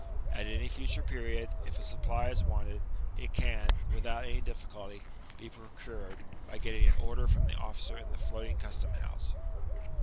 At any future period, if a supply is wanted, it can, ^ without any difficulty, be procured, by getting an order from the officer in the floating custom house.